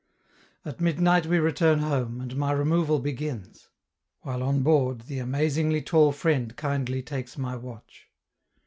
At midnight we return home, and my removal begins; while on board the "amazingly tall friend" kindly takes my watch.